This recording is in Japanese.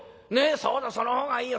そうだその方がいいよ。